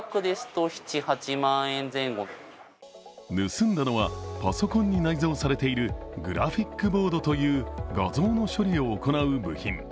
盗んだのはパソコンに内蔵されているグラフィックボードという画像の処理を行う部品。